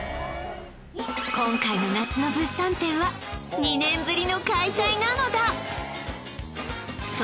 今回の夏の物産展は２年ぶりの開催なのだ！